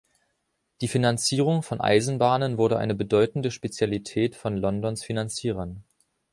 Die Finanzierung von Eisenbahnen wurde eine bedeutende Spezialität von Londons Finanzierern.